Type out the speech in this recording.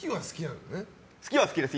好きは好きです。